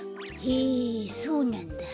へえそうなんだ。